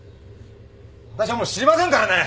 私はもう知りませんからね！